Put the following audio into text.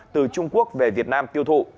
từ trung quốc về việt nam tiêu thụ